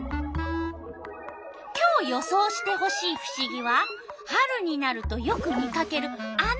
今日予想してほしいふしぎは春になるとよく見かけるあの鳥のこと。